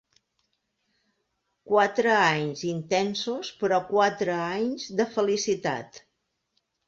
Quatre anys intensos però quatre anys de felicitat.